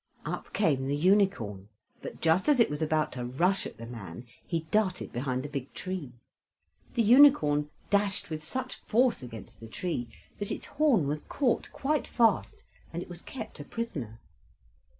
Up came the unicorn, but just as it was about to rush at the man he darted behind a big tree. The unicorn dashed with such force against the tree that its horn was caught quite fast and it was kept a prisoner.